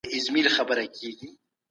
د استاد تېروتنې باید بیان سی.